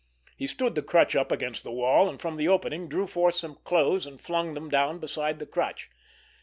He stood the crutch up against the wall, and from the opening drew forth some clothes and flung them down beside the crutch.